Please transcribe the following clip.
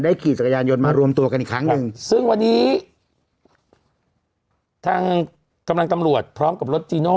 ขี่จักรยานยนต์มารวมตัวกันอีกครั้งหนึ่งซึ่งวันนี้ทางกำลังตำรวจพร้อมกับรถจีโน่